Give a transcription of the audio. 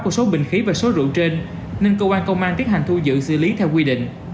của số bình khí và số rượu trên nên cơ quan công an tiến hành thu giữ xử lý theo quy định